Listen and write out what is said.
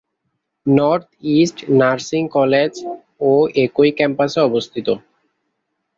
North East Nursing College ও একই ক্যাম্পাসে অবস্থিত।